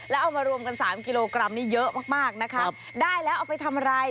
แล้วเอามารวมกันสามกิโลกรัมนี่เยอะมากมากนะคะได้แล้วเอาไปทำอะไร